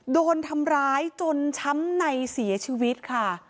โดนทำร้ายจนช้ำในเสียชีวิตค่ะ